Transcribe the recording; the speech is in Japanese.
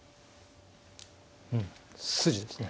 うん筋ですね。